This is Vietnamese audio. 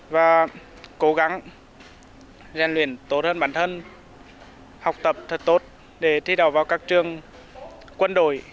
và cố gắng gian luyện tốt hơn bản thân học tập thật tốt để thi đậu vào các trường quân đội